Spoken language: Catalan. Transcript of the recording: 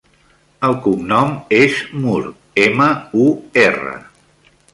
El cognom és Mur: ema, u, erra.